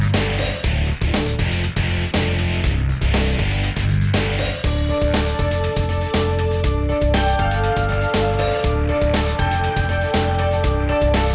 bapak kesini gapapa lah